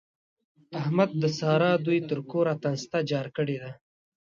احمد د سارا دوی تر کوره تانسته جار کړې ده.